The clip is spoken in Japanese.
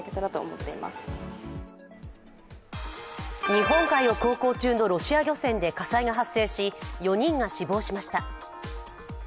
日本海を航行中のロシア漁船で火災が発生し、４人が死亡しました。